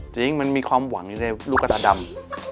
จริงมันมีความหวังอยู่ในลูกกระตาดำ